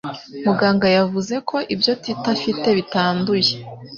Muganga yavuze ko ibyo Tito afite bitanduye.